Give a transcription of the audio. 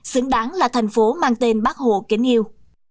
xứng đáng là thành phố mang tên bác hồ kính yêu